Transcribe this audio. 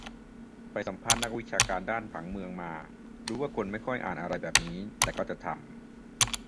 ไปสัมภาษณ์นักวิชาการด้านผังเมืองมา รู้ว่าคนไม่ค่อยอ่านอะไรแบบนี้ แต่ก็จะทำ